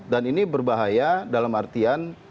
ini berbahaya dalam artian